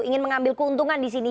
ingin mengambil keuntungan di sini